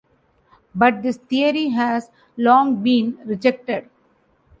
But this theory has long been rejected.